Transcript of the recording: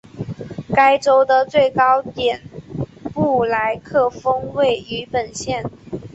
该州的最高点布莱克峰位于本县。